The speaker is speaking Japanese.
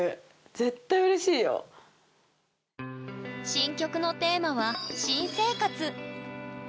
新曲のテーマは「新生活」